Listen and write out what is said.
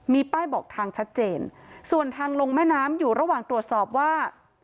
มีป้ายบอกทางชัดเจนส่วนทางลงแม่น้ำอยู่ระหว่างตรวจสอบว่า